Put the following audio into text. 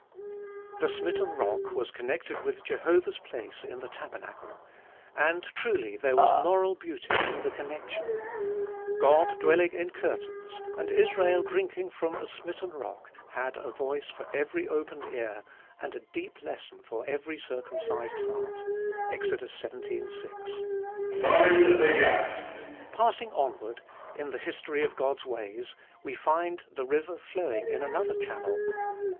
The smitten Rock was connected with Jehovah's place in the tabernacle; and truly there was moral beauty in the connection. God dwelling in curtains, and Israel drinking from a smitten rock, had a voice for every opened ear, and a deep lesson for every circumcised heart. (Exod. xvii. 6.) Passing onward, in the history of God's ways, we find the river flowing in another channel.